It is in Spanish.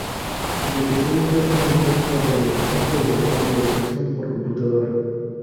El episodio cuenta con una mezcla de animación tradicional y animación por computadora.